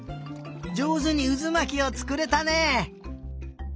じょうずにうずまきをつくれたね！